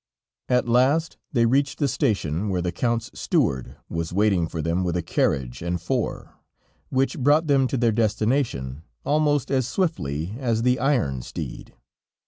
] At last they reached the station, where the Count's steward was waiting for them with a carriage and four, which brought them to their destination almost as swiftly as the iron steed.